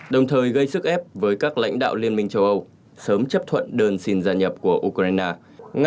đồng thời gây sức ép với các lãnh đạo liên minh châu âu sớm chấp thuận đơn xin gia nhập của ukraine